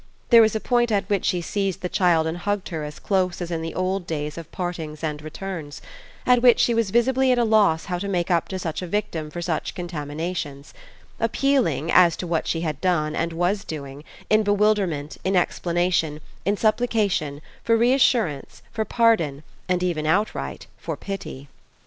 There was a point at which she seized the child and hugged her as close as in the old days of partings and returns; at which she was visibly at a loss how to make up to such a victim for such contaminations: appealing, as to what she had done and was doing, in bewilderment, in explanation, in supplication, for reassurance, for pardon and even outright for pity.